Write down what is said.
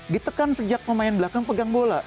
ditekan sejak pemain belakang pegang bola